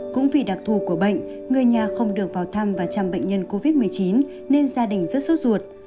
cũng vì đặc thù của bệnh người nhà không được vào thăm và chăm bệnh nhân covid một mươi chín nên gia đình rất sốt ruột